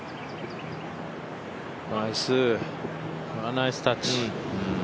ナイスタッチ。